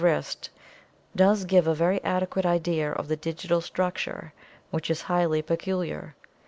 wrist, does give a very adequate idea of the digital £ fem"'; ,t 'tibi»Y 1, structure, which is highly peculiar.